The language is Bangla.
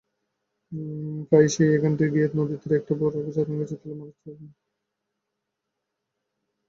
প্রায়ই সে এইখানটি গিয়া নদীতীরে একটা বড় ছাতিম গাছের তলায় মাছ ধরিতে বসে।